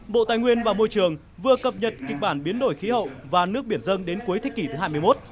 bộ tài nguyên và môi trường vừa cập nhật kịch bản biến đổi khí hậu và nước biển dân đến cuối thế kỷ thứ hai mươi một